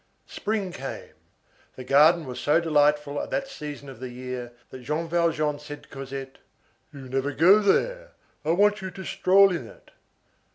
Spring came; the garden was so delightful at that season of the year, that Jean Valjean said to Cosette:— "You never go there; I want you to stroll in it."